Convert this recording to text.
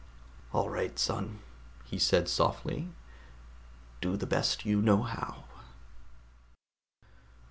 "All right, son," he said softly. "Do the best you know how."